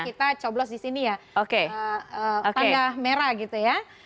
kita coblos di sini ya tanda merah gitu ya